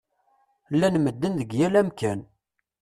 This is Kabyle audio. Llan medden deg yal amkan.